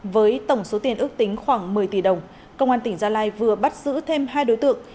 với tổng số tiền ước tính khoảng một mươi tỷ đồng công an tỉnh gia lai vừa bắt giữ thêm hai đối tượng